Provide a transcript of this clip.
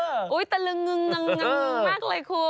เออตะลึงมากเลยคุณ